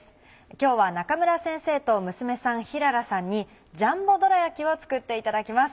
今日は中村先生と娘さん陽ららさんにジャンボどら焼きを作っていただきます。